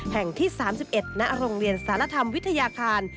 แห่งที่๓๑ณโรงเรียนสารธรรมวิทยาคาร